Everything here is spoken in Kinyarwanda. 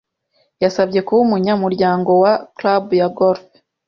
Yasabye kuba umunyamuryango wa club ya golf.